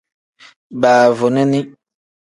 Baavunini.